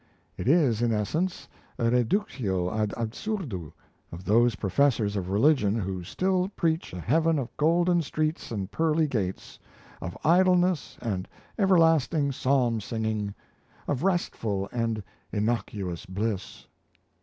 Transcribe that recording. It is, in essence, a reductio ad absurdum of those professors of religion who still preach a heaven of golden streets and pearly gates, of idleness and everlasting psalm singing, of restful and innocuous bliss.